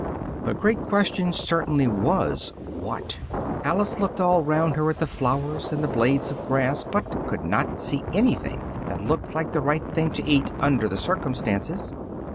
The great question certainly was, what? Alice looked all round her at the flowers and the blades of grass but could not see anything that looked like the right thing to eat under the circumstances.